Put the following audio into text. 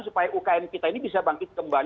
supaya ukm kita ini bisa bangkit kembali